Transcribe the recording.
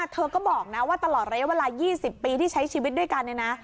เธอก็บอกนะว่าตลอดระยะเวลา๒๐ปีที่ใช้ชีวิตด้วยกันเนี่ยนะ